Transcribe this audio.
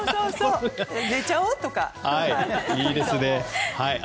寝ちゃおうとか。